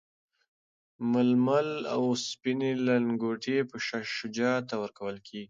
ململ او سپیني لنګوټې به شاه شجاع ته ورکول کیږي.